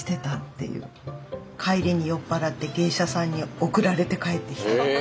帰りに酔っ払って芸者さんに送られて帰ってきたとか。